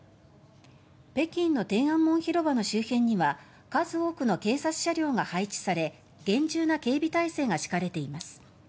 北京の天安門広場の周辺には数多くの警察車両が配置され厳重な警備態勢が敷かれています。